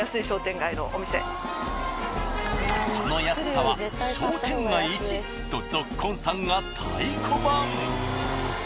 その安さは商店街イチ！とぞっこんさんが太鼓判。